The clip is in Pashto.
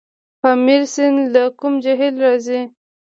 پامیر سیند له کوم جهیل راځي؟